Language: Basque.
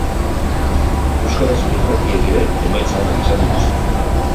Euskarazko irratiek ere emaitza onak izan dituzte.